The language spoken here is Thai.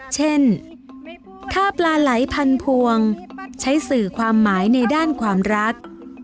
เช่นถ้าปลาไหลพันพวงใช้สื่อความหมายในด้านความรัก